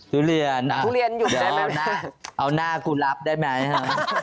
ทุเรียนเอาหน้ากูรับได้ไหมฮะ